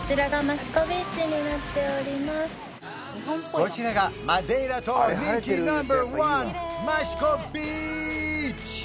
こちらがマデイラ島人気ナンバーワンマシコビーチ！